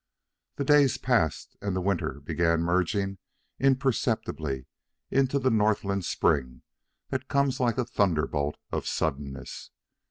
The days passed, and the winter began merging imperceptibly into the Northland spring that comes like a thunderbolt of suddenness.